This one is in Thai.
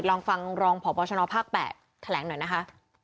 ลองฟังรองพบชนภาค๘แถลงหน่อยนะคะ